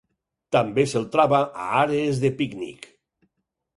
També se'l troba a àrees de pícnic.